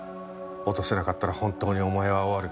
落とせなかったら本当にお前は終わる。